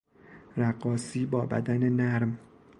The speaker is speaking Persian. رقاصی با بدن نرم